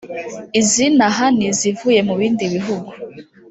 iz’inaha n’izivuye mu bindi bihugu